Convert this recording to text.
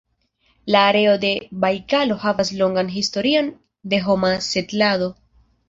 La areo de Bajkalo havas longan historion de homa setlado.